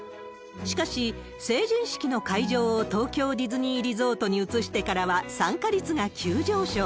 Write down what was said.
しかし、成人式の会場を東京ディズニーリゾートに移してからは、参加率が急上昇。